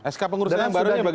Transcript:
sk pengurusan yang baru bagaimana